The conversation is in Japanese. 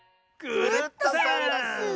クルットさんダス！